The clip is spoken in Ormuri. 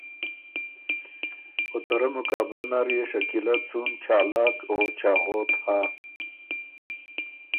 او ته رۀ مقابلۀ نر يې شکیلۀ څُون چالاک او چاغوت هۀ۔